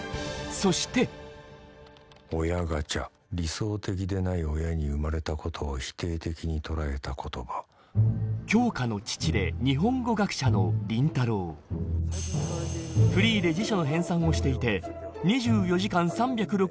そして「おやがちゃ」理想的でない親に生まれたことを否定的にとらえた言葉杏花の父でフリーで辞書の編さんをしていて２４時間３６５日